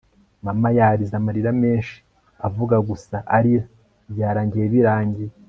mama yarize amarira menshi avuga gusa arira. byarangiye birangiye